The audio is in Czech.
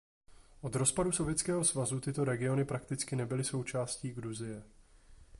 Od rozpadu Sovětského svazu tyto regiony prakticky nebyly součástí Gruzie.